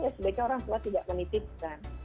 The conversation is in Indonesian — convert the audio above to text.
ya sudah saja orang tua tidak menitipkan